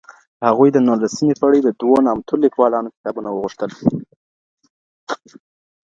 هغوی د نولسمې پېړۍ د دوو نامتو ليکوالانو کتابونه وغوښتل.